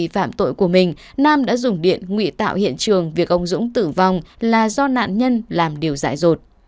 vì phạm tội của mình nam đã dùng điện nguy tạo hiện trường việc ông dũng tử vong là do nạn nhân làm điều dại rột